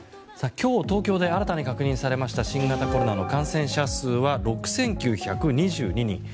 今日、東京で新たに確認されました新型コロナの感染者数は６９２２人。